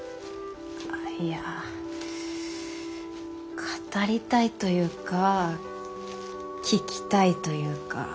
あいや語りたいというか聞きたいというか。